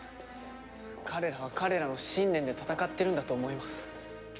彼らは彼らの信念で戦っているんだと思います。